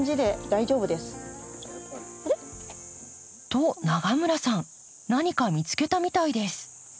と永村さん何か見つけたみたいです。